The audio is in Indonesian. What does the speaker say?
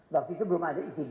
waktu itu belum ada itb